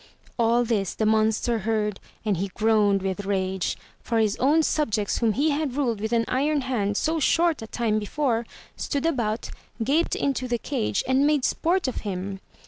All this the monster heard and he groaned with rage, for his own subjects whom he had ruled with an iron hand so short a time before, stood about, gaped into the cage and made sport of 332 THROUGH FAIRY HALLS him.